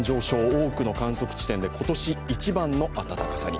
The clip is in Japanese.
多くの観測地点で今年一番の暖かさに。